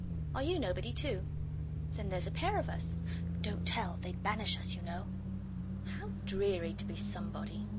Are you nobody, too? Then there 's a pair of us—don't tell! They 'd banish us, you know. How dreary to be somebody!